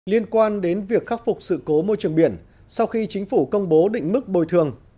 liên quan đến việc khắc phục sự cố môi trường biển sau khi chính phủ công bố định mức bồi thường